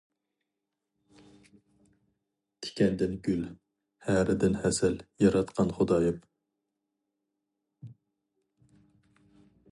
تىكەندىن گۈل، ھەرىدىن ھەسەل ياراتقان خۇدايىم.